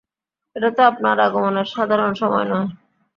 এটা তো আপনার আগমনের সাধারণ সময় নয়।